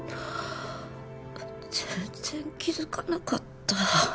全然気づかなかった。